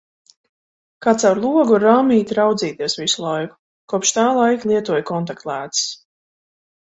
Kā caur logu ar rāmīti raudzīties visu laiku. Kopš tā laika lietoju kontaktlēcas.